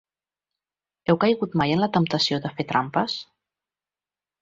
Heu caigut mai en la temptació de fer trampes?